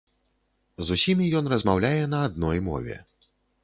З усімі ён размаўляе на адной мове.